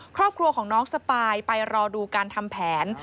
ครอบครัวของน้องสปายไปรอดูการทำแผน